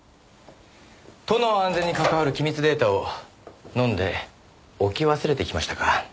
都の安全に関わる機密データを飲んで置き忘れてきましたか。